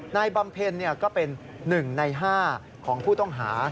นายบำเพ็ญเนี่ยก็เป็น๑ใน๕ของผู้ต้องหา